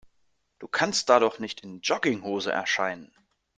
Du kannst da doch nicht in Jogginghose erscheinen.